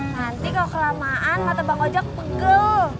nanti kalau kelamaan mata bang ojek pegel